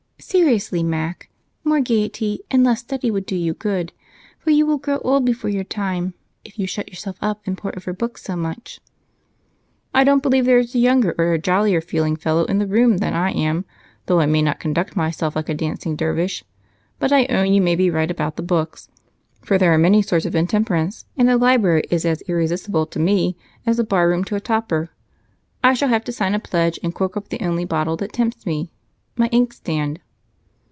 Seriously, Mac, more gaiety and less study would do you good, for you will grow old before your time if you shut yourself up and pore over books so much." "I don't believe there is a younger or a jollier feeling fellow in the room than I am, though I may not conduct myself like a dancing dervish. But I own you may be right about the books, for there are many sorts of intemperance, and a library is as irresistible to me as a barroom to a toper. I shall have to sign a pledge and cork up the only bottle that tempts me my ink stand."